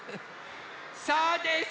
そうです！